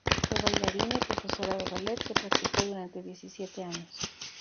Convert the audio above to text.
Fue bailarina y profesora de ballet, que practicó durante diecisiete años.